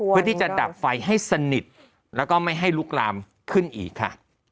เพื่อที่จะดับไฟให้สนิทแล้วก็ไม่ให้ลุกลามขึ้นอีกค่ะ